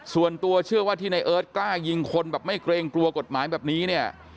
ส่วนตัวเชื่อว่าที่ในเอิร์ทกล้ายิงคนแบบไม่เกรงกลัวกฎหมายแบบนี้เนี่ย